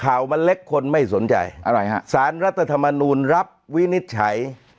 ข่าวมันเล็กคนไม่สนใจอะไรฮะสารรัฐธรรมนูลรับวินิจฉัย